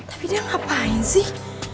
tapi dia ngapain sih